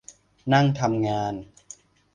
นั่งทำงาน